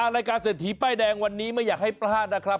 รายการเศรษฐีป้ายแดงวันนี้ไม่อยากให้พลาดนะครับ